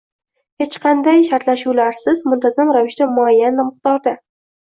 • Hech qanday shartlashuvlarsiz muntazam ravishda muayyan miqdorda;